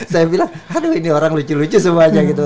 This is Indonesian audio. saya bilang aduh ini orang lucu lucu semua aja gitu